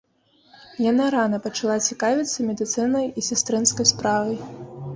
Яна рана пачала цікавіцца медыцынай і сястрынскай справай.